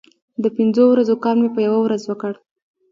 د پنځو ورځو کار مې په یوه ورځ وکړ.